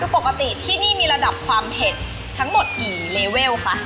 คือปกติที่นี่มีระดับความเผ็ดทั้งหมดกี่เลเวลคะ